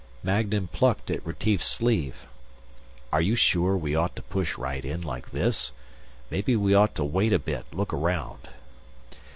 Magnan plucked at Retief's sleeve. "Are you sure we ought to push right in like this? Maybe we ought to wait a bit, look around...."